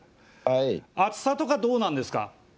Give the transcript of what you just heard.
暑さとかどうなんですか？